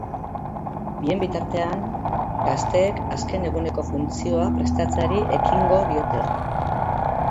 Bien bitartean, gazteek azken eguneko funtzioa prestatzeari ekingo diote.